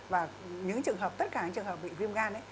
và những trường hợp tất cả những trường hợp bị viêm gan